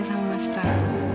sama mas prabu